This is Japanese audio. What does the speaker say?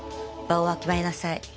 場をわきまえなさい。